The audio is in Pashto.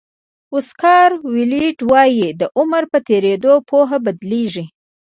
اوسکار ویلډ وایي د عمر په تېرېدو پوهه بدلېږي.